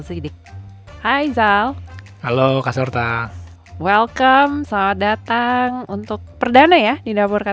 iya perdana untuk bursa